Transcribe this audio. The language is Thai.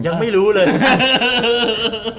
ยังไม่รู้เลย